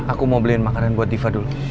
aku mau beliin makanan buat diva dulu